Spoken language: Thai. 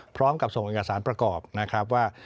พร้อมกับส่งเอกสารประกอบนะครับว่า